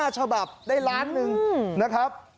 ๕ฉบับได้ล้านหนึ่งนะครับ